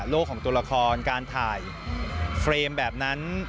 ของตัวละครการถ่ายเฟรมแบบนั้น